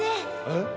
えっ。